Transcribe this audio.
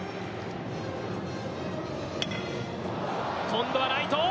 今度はライト。